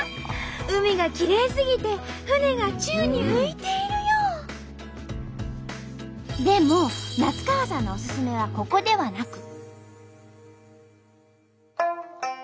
海がきれいすぎて船がでも夏川さんのおすすめはここではなく。